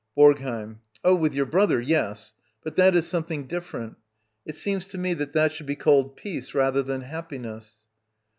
BoRGHEiM. Oh, with your brother, yes. But dj^it is something different. It seems to me that that ^ould be called peace rather than happiness.